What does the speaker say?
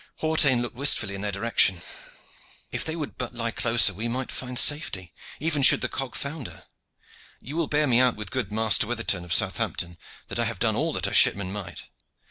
Hawtayne looked wistfully in their direction. "If they would but lie closer we might find safety, even should the cog founder. You will bear me out with good Master Witherton of Southampton that I have done all that a shipman might.